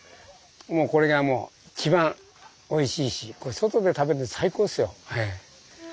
もうこれが一番おいしいし外で食べるっていうの最高ですよ。